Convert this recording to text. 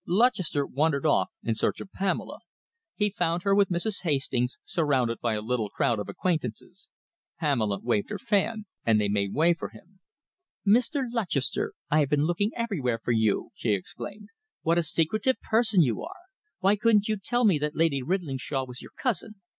Lutchester wandered off in search of Pamela. He found her with Mrs. Hastings, surrounded by a little crowd of acquaintances. Pamela waved her fan, and they made way for him. "Mr. Lutchester, I have been looking everywhere for you!" she exclaimed. "What a secretive person you are! Why couldn't you tell me that Lady Ridlingshawe was your cousin?